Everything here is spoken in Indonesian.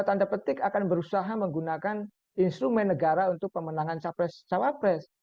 tanda petik akan berusaha menggunakan instrumen negara untuk pemenangan capres cawapres